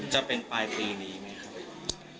จะเป็นปลายปีนี้ไหมครับ